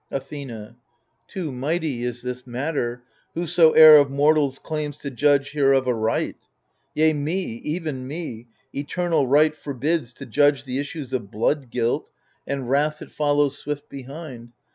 Athena Too mighty is this matter, whosoe'er Of mortals claims to judge hereof aright. Yea, me, even me, eternal Right forbids To judge the issues of blood guilt, and wrath That follows swift behind.